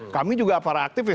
kami juga para aktivis